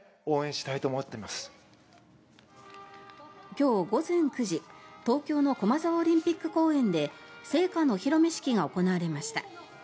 今日午前９時東京の駒沢オリンピック公園で聖火のお披露目式が行われました。